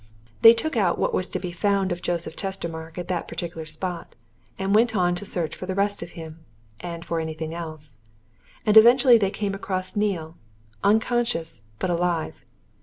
They took out what was to be found of Joseph Chestermarke at that particular spot, and went on to search for the rest of him, and for anything else. And eventually they came across Neale unconscious, but alive.